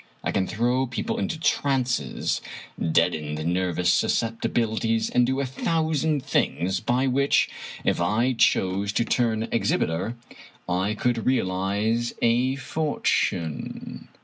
I can throw people into trances, deaden the nervous susceptibilities, and do a thou sand things by which, if I chose to turn exhibitor, I could realize a fortune.